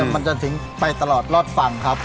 มันจะถึงไปตลอดรอดฝั่งครับ